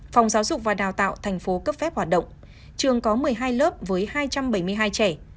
phòng giáo dục và đào tạo thành phố cấp phép hoạt động trường có một mươi hai lớp với hai trăm bảy mươi hai trẻ